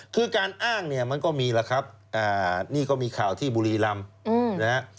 คือการอ้างมันก็มีล่ะครับนี่ก็มีข่าวที่บุรีรำ